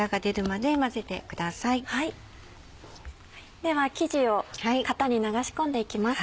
では生地を型に流し込んでいきます。